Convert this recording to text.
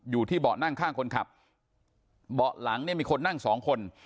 อยู่ที่เบาะนั่งข้างคนขับเบาะหลังเนี่ยมีคนนั่งสองคน